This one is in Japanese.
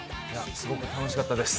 すごく楽しかったです。